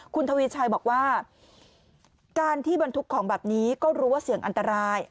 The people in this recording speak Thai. คุณทวีชัยบอกว่าการที่บรรทุกของแบบนี้ก็รู้ว่าเสี่ยงอันตราย